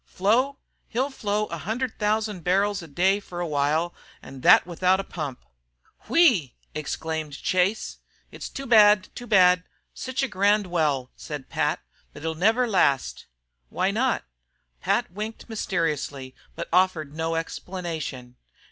"Flow? He'll flow a hundred thousand barrels a day fer a while, an' thet without a pump." "Whew!" exclaimed Chase. "It's too bad, too bad! Sich a grand well!" said Pat. "But he'll niver last." "Why not?" Pat winked mysteriously, but offered no explanation.